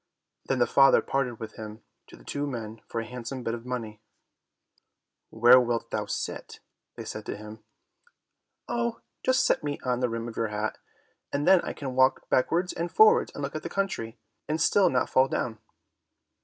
Then the father parted with him to the two men for a handsome bit of money. "Where wilt thou sit?" they said to him. "Oh just set me on the rim of your hat, and then I can walk backwards and forwards and look at the country, and still not fall down."